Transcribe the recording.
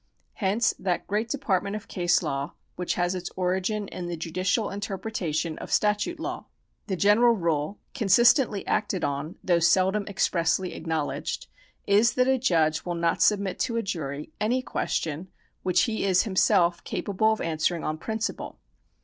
Hence that great department of case law which has its origin in the judicial interpretation of statute law. The general rule — consistently acted on, though seldom expressly acknowledged — is that a judge will not submit to a jury any question which he is himself capable of answering on pririciple.